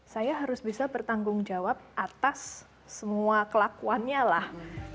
saya harus bisa bertanggung jawab atas semua kelakuannya lah